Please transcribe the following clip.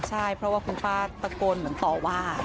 ใช่เพราะว่าคุณป้าตะโกนเหมือนต่อว่า